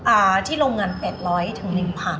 อ่าที่โรงงาน๘๐๐ถึง๑๐๐๐